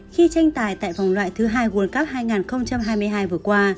khi tranh tài tại vòng loại thứ hai world cup hai nghìn hai mươi hai vừa qua